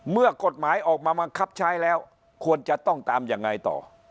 เมื่อกฎหมายออกมาบังคับใช้แล้วควรจะต้องตามยังไงต่อ